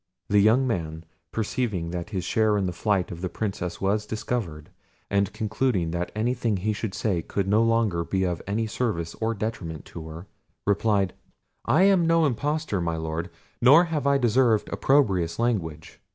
The young man, perceiving that his share in the flight of the Princess was discovered, and concluding that anything he should say could no longer be of any service or detriment to her, replied— "I am no impostor, my Lord, nor have I deserved opprobrious language.